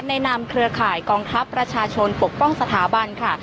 นามเครือข่ายกองทัพประชาชนปกป้องสถาบันค่ะ